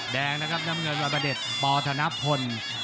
แดงนะครับน้ำเงินวันประเด็จปธนพล